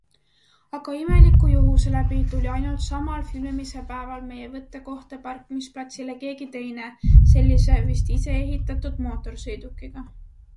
Aga imeliku juhuse läbi tuli ainult samal filmimise päeval meie võttekohta parkimisplatsile keegi teine sellise vist iseehitatud mootorsõidukiga.